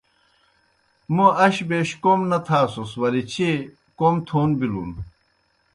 موں اش بیش کوْم نہ تھاسُس ولے چیئے کوْم تھون بِلُن۔